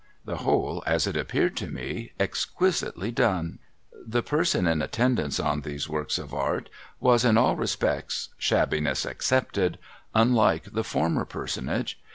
The whole, as it appeared to me, exquisitely done. The person in attendance on these works of art was in all respects, shabbiness excepted, unlike the former personage.